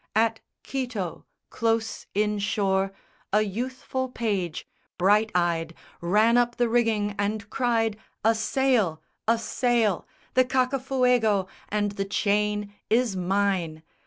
At Quito, close inshore, a youthful page, Bright eyed, ran up the rigging and cried, "A sail! A sail! The Cacafuego! And the chain Is mine!"